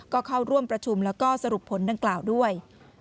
ก็เข้าร่วมประชุมแล้วก็สรุปผลดังกล่าวด้วย